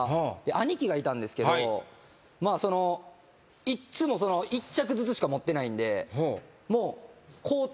兄貴がいたんですけどいっつも１着ずつしか持ってないんで。